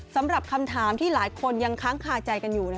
สำหรับคำถามที่หลายคนยังค้างคาใจกันอยู่